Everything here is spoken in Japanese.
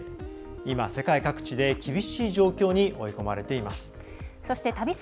今、世界各地で厳しい状況に追い込まれています。